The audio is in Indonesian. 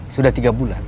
sudah tiga bulan ya